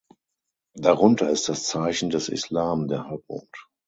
Darunter ist das Zeichen des Islam, der Halbmond.